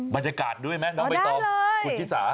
บรรยากาศได้ไหมเอาได้เลยโอ้คุณภีริสา